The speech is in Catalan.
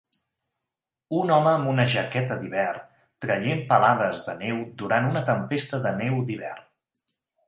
Un home amb una jaqueta d'hivern traient palades de neu durant una tempesta de neu d'hivern.